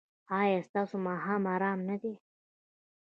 ایا ستاسو ماښام ارام نه دی؟